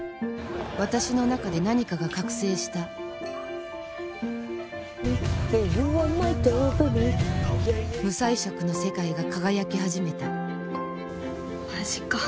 私の中で何かが覚醒した無彩色の世界が輝き始めたマジか。